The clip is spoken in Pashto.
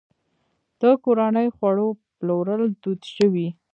د کورنیو خوړو پلورل دود شوي؟